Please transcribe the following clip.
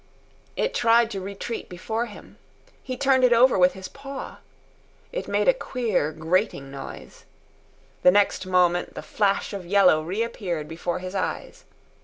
It tried to retreat before him. He turned it over with his paw. It made a queer, grating noise. The next moment the flash of yellow reappeared before his eyes.